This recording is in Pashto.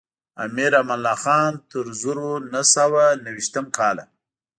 امیر امان الله خان تر زرو نهه سوه نهه ویشتم کاله.